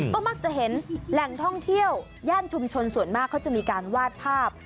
ก็มักจะเห็นแหล่งท่องเที่ยวย่านชุมชนส่วนมากเขาจะมีการวาดภาพ